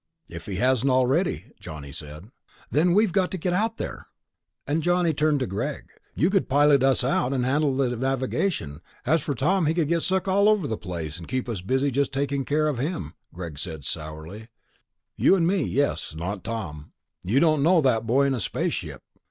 "If he hasn't already," Johnny said. "Then we've got to get out there." Johnny turned to Greg. "You could pilot us out and handle the navigation, and as for Tom...." "As for Tom, he could get sick all over the place and keep us busy just taking care of him," Greg said sourly. "You and me, yes. Not Tom. You don't know that boy in a spaceship."